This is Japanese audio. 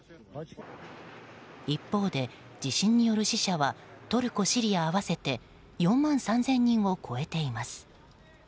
一方で地震による死者はトルコ、シリア合わせて４万３０００人を超えています。